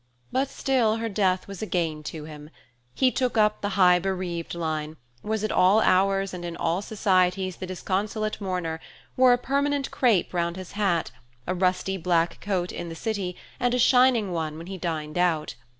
But still her death was a gain to him. He took up the high bereaved line, was at all hours and in all societies the disconsolate mourner, wore a permanent crape round his hat, a rusty black coat in the city, and a shining one when he dined out.